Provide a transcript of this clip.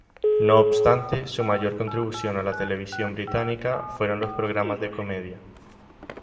No obstante, su mayor contribución a la televisión británica fueron los programas de comedia.